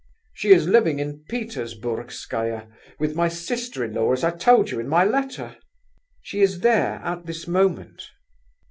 She is living in Petersburgskaia, with my sister in law, as I told you in my letter." "She is there at this moment?"